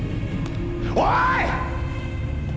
おい！！